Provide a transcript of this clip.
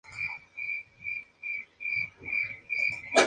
Jonathan Davis declaró que Shane "le hace recordar a Brian Welch".